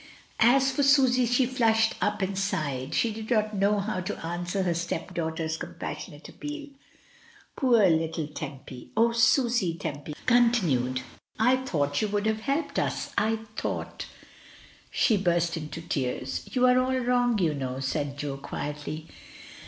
As for Susy, she flushed up and sighed, she did not know how to answer her stepdaughter's pas sionate appeal. Poor little Tempy! "O Susy," Tempy continued, "I thought you would have helped us — I thought" — she burst into tears. "You are all wrong, you know," said Jo quietly.